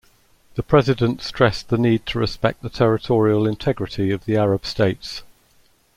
The President stressed the need to respect the territorial integrity of the Arab states.